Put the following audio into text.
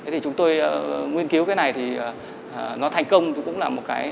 thì chúng tôi nguyên cứu cái này thì nó thành công cũng là một cái